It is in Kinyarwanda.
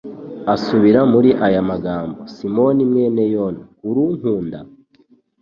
asubira muri aya magambo :« Simoni mwene Yona, urunkunda? »